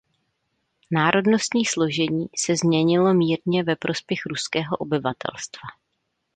Národnostní složení se změnilo mírně ve prospěch ruského obyvatelstva.